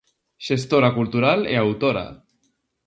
Xestora cultural e autora.